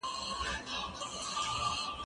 زه پرون تمرين کوم!.